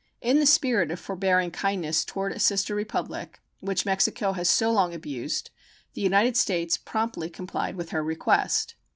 In the spirit of forbearing kindness toward a sister republic, which Mexico has so long abused, the United States promptly complied with her request.